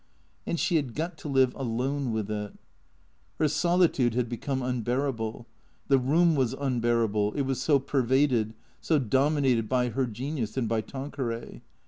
And she had got to live alone with it. Her solitude had become unbearable. The room was unbear able; it was so pervaded, so dominated by her genius and by Tanqueray.